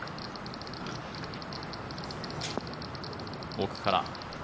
奥から。